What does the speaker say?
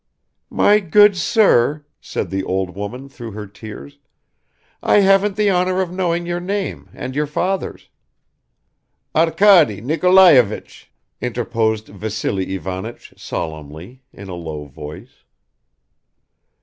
"My good sir," said the old woman through her tears, "I haven't the honor of knowing your name and your father's." "Arkady Nikolayevich," interposed Vassily Ivanich solemnly, in a low voice.